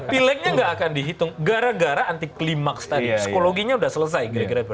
pilegnya tidak akan dihitung gara gara anti klimaks tadi psikologinya sudah selesai